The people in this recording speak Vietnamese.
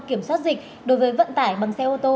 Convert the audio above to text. kiểm soát dịch đối với vận tải bằng xe ô tô